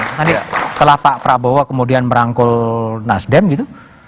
tadi setelah pak prabowo kemudian merangkul nasdem gitu